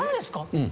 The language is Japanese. うん。